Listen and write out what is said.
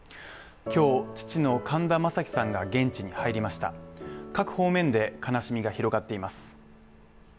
今日、父の神田正輝さんが現地に入りました各方面で悲しみが広がっています。